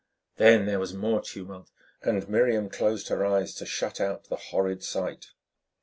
Then there was more tumult, and Miriam closed her eyes to shut out the horrid sight.